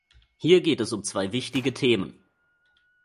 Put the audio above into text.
Hier geht es um zwei wichtige Themen.